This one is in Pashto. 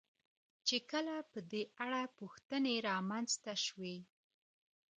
چې کله په دې اړه پوښتنې را منځته شوې.